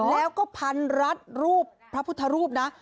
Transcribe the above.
แล้วก็พันรัดรูปพระพุทธรูปนะ